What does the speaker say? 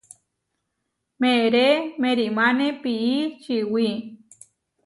Meeré meʼrimáne pií čiwí.